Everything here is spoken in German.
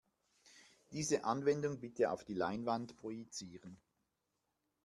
Diese Anwendung bitte auf die Leinwand projizieren.